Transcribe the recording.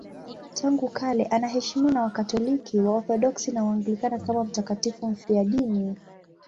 Tangu kale anaheshimiwa na Wakatoliki, Waorthodoksi na Waanglikana kama mtakatifu mfiadini.